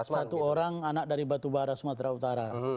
satu orang anak dari batubara sumatera utara